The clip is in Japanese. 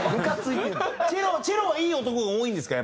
チェロはいい男が多いんですか？